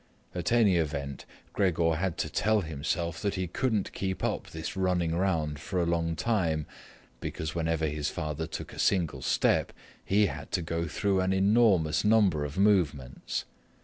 At any event, Gregor had to tell himself that he couldn't keep up this running around for a long time, because whenever his father took a single step, he had to go through an enormous number of movements.